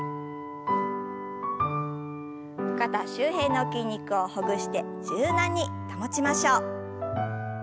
肩周辺の筋肉をほぐして柔軟に保ちましょう。